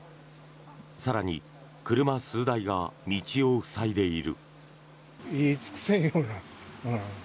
更に車数台が道を塞いでいる。